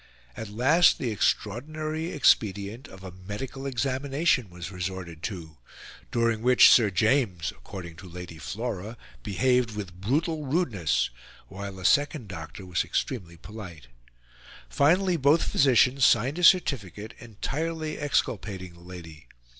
At last the extraordinary expedient of a medical examination was resorted to, during which Sir James, according to Lady Flora, behaved with brutal rudeness, while a second doctor was extremely polite. Finally, both physicians signed a certificate entirely exculpating the lady.